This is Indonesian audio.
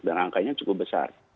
dan angkanya cukup besar